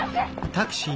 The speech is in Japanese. タクシー！